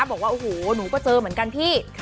บอกว่าโอ้โหหนูก็เจอเหมือนกันพี่